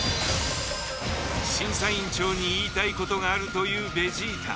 審査委員長に言いたいことがあるというベジータ。